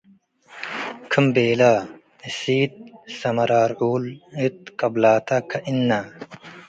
ክም ቤለ። እሲት ሰመራርዑል እት ቅብላተ ክእነ